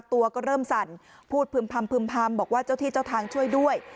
ตัวก็เริ่มสั่นพูดพึ่มพำบอกว่าเจ้าที่เจ้าทางช่วยด้วย